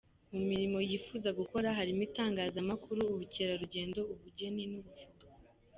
Mu mirimo yifuza gukora harimo itangazamakuru, ubukerarugendo, ubugeni n’ubuvuzi.